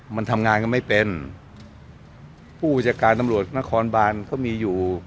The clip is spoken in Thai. มันทำงานก็ไม่เป็นผู้จัดการตำรวจนครบานก็มีอยู่